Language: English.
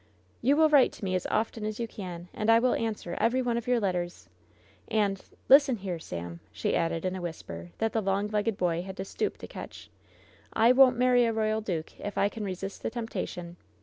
"You will write to me as often as you can, and T will answer every one of your letters. And — ^listen here, Sam," she added, in a whisper that the long legged boy had to stoop to catch, "I won't marry a royal duke if I can resist the temptation